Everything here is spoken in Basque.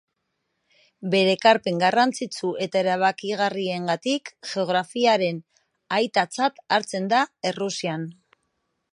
Bere ekarpen garrantzitsu eta erabakigarriengatik, geografiaren aitatzat hartzen da Errusian.